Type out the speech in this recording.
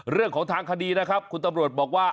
เรื่องของทางคดีนะครับคุณตำรวจบอกว่า